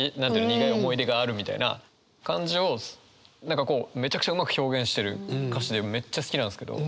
苦い思い出があるみたいな感じを何かめちゃくちゃうまく表現してる歌詞でめっちゃ好きなんですけど。